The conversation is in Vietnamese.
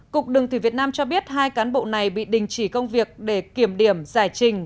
cục đường thủy việt nam cho biết hai cán bộ này bị đình chỉ công việc để kiểm điểm giải trình